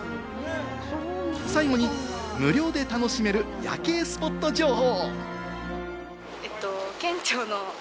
最後に無料で楽しめる夜景スポット情報。